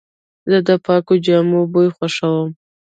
زه د پاکو جامو بوی خوښوم.